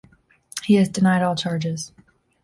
He has denied all charges.